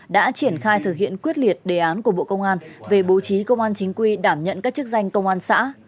đã triển khai thực hiện quyết liệt đề án của bộ công an về bố trí công an chính quy đảm nhận các chức danh công an xã